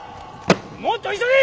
もっと急げ！